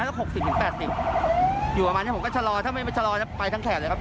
สัก๖๐๘๐อยู่ประมาณนี้ผมก็ชะลอถ้าไม่ชะลอจะไปทั้งแขนเลยครับ